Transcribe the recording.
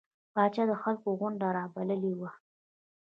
پاچا د خلکو غونده رابللې وه.